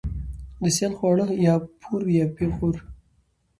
ـ د سيال خواړه يا پور وي يا پېغور.